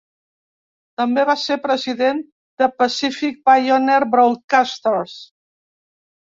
També va ser president de Pacific Pioneer Broadcasters.